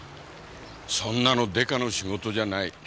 そんなのデカの仕事じゃない。